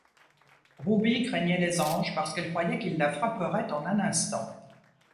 Ruby craignait les anges parce qu'elle croyait qu'ils la frapperaient en un instant.